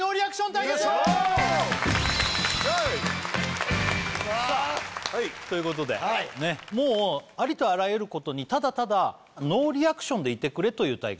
対決さあということでねっはいもうありとあらゆることにただただノーリアクションでいてくれという対決です